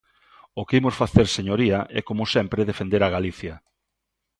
O que imos facer, señoría, é, como sempre, defender a Galicia.